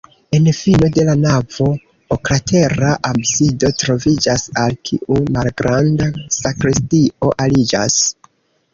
En fino de la navo oklatera absido troviĝas, al kiu malgranda sakristio aliĝas.